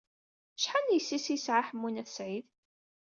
Acḥal n yessi-s ay yesɛa Ḥemmu n At Sɛid?